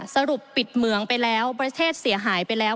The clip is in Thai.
สรุปปิดเหมืองไปแล้วประเทศเสียหายไปแล้ว